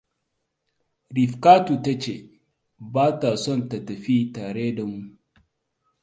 Rifkatu ta ce ba ta son ta tafi tare da mu.